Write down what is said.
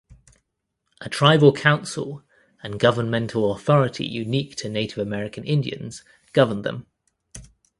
A tribal council and governmental authority unique to Native American Indians govern them.